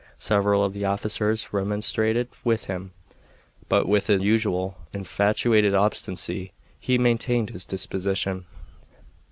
Several of the officers remonstrated with him, but with his usual infatuated obstinacy he maintained his disposition.